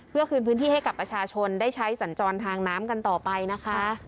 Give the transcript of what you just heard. เพื่อคืนพื้นที่ให้กับประชาชนได้ใช้สัญจรทางน้ำกันต่อไปนะคะ